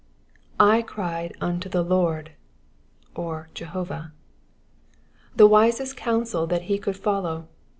/ cried unto the Lord " (or Jehovah). The wisest course that he could follow.